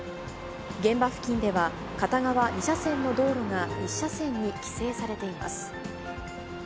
現場付近では、片側２車線の道路が１車線に規制されています。